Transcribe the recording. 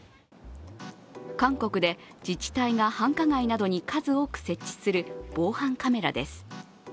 韓国で自治体が繁華街などに数多く設置する防犯カメラです。